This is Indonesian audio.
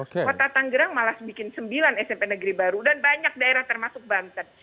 kota tanggerang malah bikin sembilan smp negeri baru dan banyak daerah termasuk banten